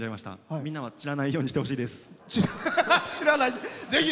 みんなは散らないようにしてほしいです。